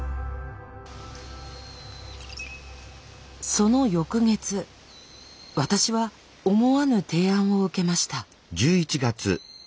その翌月私は思わぬ提案を受けました。